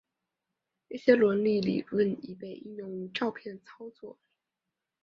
一些伦理理论已被应用于照片操作。